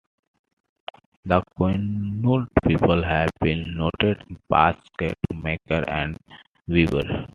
The Quinault people have been noted basket makers and weavers.